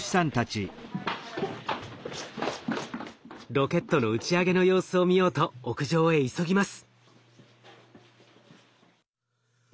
ロケットの打ち上げの様子を見ようと屋上へ急ぎます。